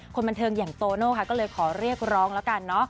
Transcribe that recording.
คนบันเทิงอย่างโตโน่ค่ะก็เลยขอเรียกร้องแล้วกันเนอะ